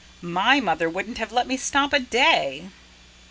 "My mother wouldn't have let me stop a day."